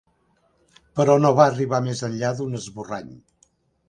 Però no va arribar més enllà d'un esborrany.